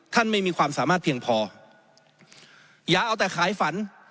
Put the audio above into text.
ไม่มีความสามารถเพียงพออย่าเอาแต่ขายฝัน